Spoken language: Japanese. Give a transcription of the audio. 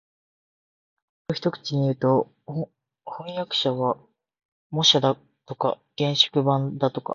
それを一口にいうと、飜訳者は模写だとか原色版だとか